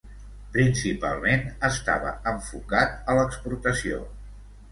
Principalment estava enfocat a l'exportació.